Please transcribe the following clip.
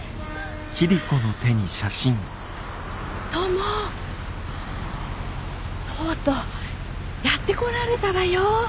トモとうとうやって来られたわよ。